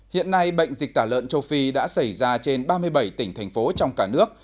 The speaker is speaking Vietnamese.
hiện nay bệnh dịch tả lợn châu phi đã xảy ra trên ba mươi bảy tỉnh thành phố trong cả nước